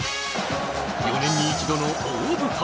４年に一度の大舞台。